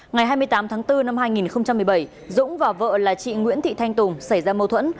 ngày hai mươi tám tháng bốn năm hai nghìn một mươi bảy dũng và vợ là chị nguyễn thị thanh tùng xảy ra mâu thuẫn